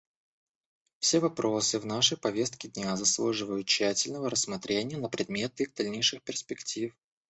Все вопросы в нашей повестке дня заслуживают тщательного рассмотрения на предмет их дальнейших перспектив.